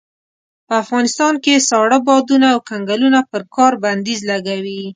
په افغانستان کې ساړه بادونه او کنګلونه پر کار بنديز لګوي.